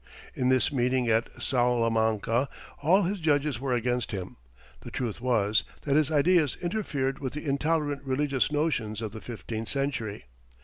In this meeting at Salamanca all his judges were against him. The truth was, that his ideas interfered with the intolerant religious notions of the fifteenth century.